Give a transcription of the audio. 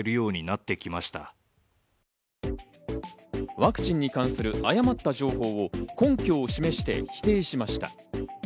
ワクチンに関する誤った情報を根拠を示して否定しました。